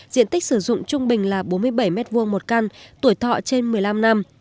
diện tích sử dụng trung bình là bốn mươi bảy m hai một căn tuổi thọ trên một mươi năm năm